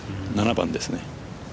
７番ですね。